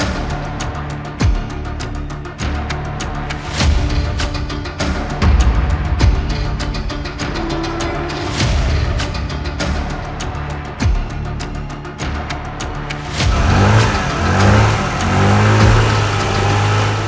ให้เข้าหมู่เอาไว้ได้ลูกถือหุ่นหัวบอบ